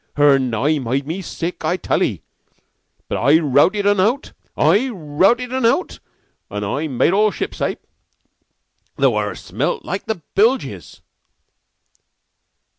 Her nigh made me sick, I tal 'ee. But I rowted un out, and I rowted un out, an' I made all shipshape, though her smelt like to bilges."